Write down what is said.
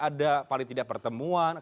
ada paling tidak pertemuan